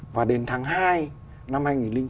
và đến tháng hai năm hai nghìn chín